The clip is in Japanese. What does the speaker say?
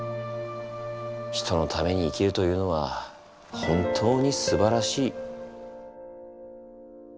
人のために生きるというのは本当にすばらしい。